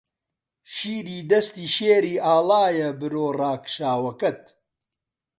شیری دەستی شێری ئاڵایە برۆ ڕاکشاوەکەت